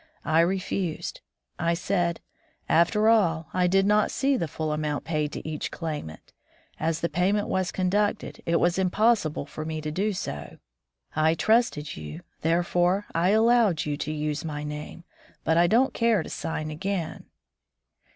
I refused. I said, "After all, I did not see the f idl amount paid to each claimant. As the payment was conducted, it was impossible for me to do so. I trusted you, therefore I allowed you to use my name, but I don't care to sign again."